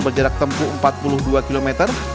berjarak tempuh empat puluh dua km